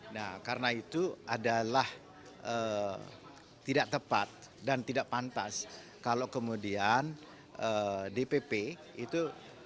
nah karena itu adalah tidak tepat dan tidak pantas kalau kemudian dpp itu